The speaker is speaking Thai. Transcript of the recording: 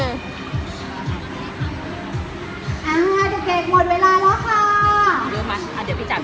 นะใครไหนหิงแยงเหมือนเว้ยค่ะเดี๋ยวจะให้